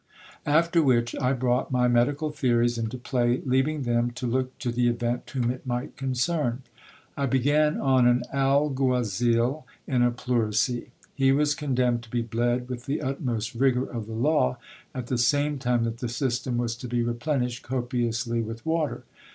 After which I brought my medical theories into play, leaving them to look to the event whom it might concern. I began on an alguazil in a pleurisy ; he was condemned to be bled with the utmost rigour of the law, at the same time that the system was to be replenished copiously with water.